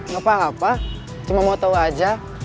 gak apa apa cuma mau tahu aja